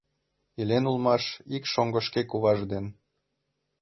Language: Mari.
Илен улмаш ик шоҥго шке куваж ден